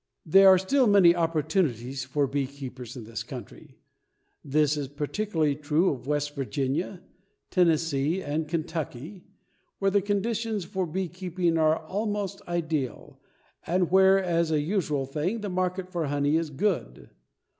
There are still many opportunities for bee keepers in this country. This is particularly true of West Virginia, Tennessee and Kentucky, where the conditions for beekeeping are almost ideal and where, as a usual thing, the market for honey is good.